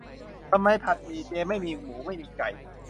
ทำไมผัดหมี่เจไม่มีหมูไม่มีไก่ :'